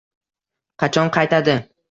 Qachon qaytadi?